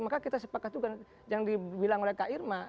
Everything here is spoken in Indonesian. maka kita sepakat juga yang dibilang oleh kak irma